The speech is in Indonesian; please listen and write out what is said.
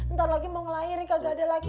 ntar lagi mau ngelahirin kagak ada laki